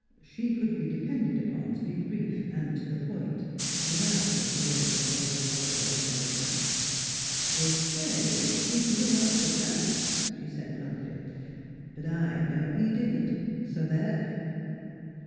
She could be depended upon to be brief and to the point, without reservation or rhetorical embellishment. ' They say he blew up the plant," she said bluntly. " But I know he didn't; so there!